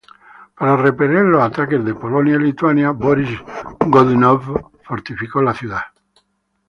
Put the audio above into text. Para repeler los ataques de Polonia-Lituania, Borís Godunov fortificó la ciudad.